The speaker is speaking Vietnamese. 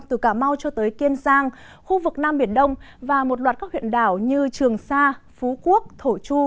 từ cà mau cho tới kiên giang khu vực nam biển đông và một loạt các huyện đảo như trường sa phú quốc thổ chu